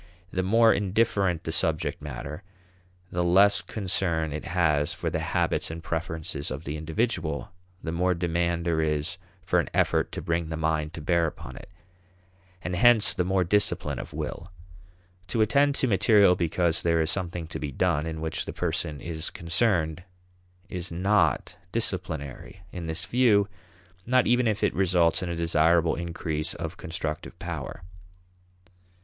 The more indifferent the subject matter, the less concern it has for the habits and preferences of the individual, the more demand there is for an effort to bring the mind to bear upon it and hence the more discipline of will. To attend to material because there is something to be done in which the person is concerned is not disciplinary in this view; not even if it results in a desirable increase of constructive power.